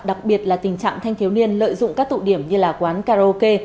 đặc biệt là tình trạng thanh thiếu niên lợi dụng các tụ điểm như là quán karaoke